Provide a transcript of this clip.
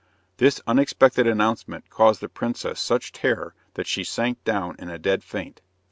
This unexpected announcement caused the princess such terror that she sank down in a dead faint.